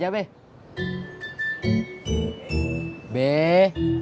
gak ada sih